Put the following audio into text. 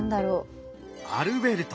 アルベルト